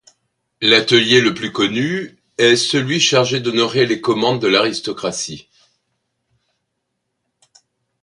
L'atelier le plus connu est l’, chargé d’honorer les commandes de l’aristocratie.